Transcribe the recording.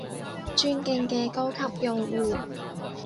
尊敬嘅高級用戶